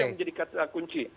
yang menjadi kata kunci